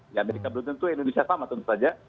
di amerika belum tentu indonesia sama tentu saja